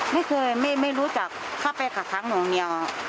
ไม่เคยไม่รู้จักเข้าไปกักค้างหน่วงเหนียว